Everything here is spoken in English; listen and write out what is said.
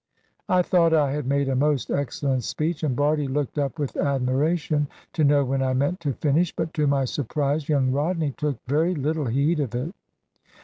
I thought I had made a most excellent speech, and Bardie looked up with admiration, to know when I meant to finish. But to my surprise, young Rodney took very little heed of it.